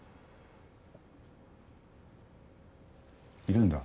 いるんだ。